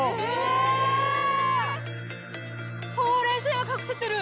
ほうれい線を隠せてる！